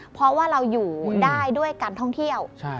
เพราะว่าเราอยู่ได้ด้วยการท่องเที่ยว